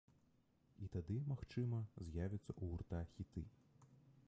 І тады, магчыма, з'явяцца ў гурта хіты.